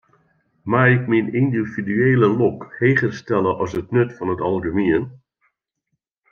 Mei ik myn yndividuele lok heger stelle as it nut fan it algemien?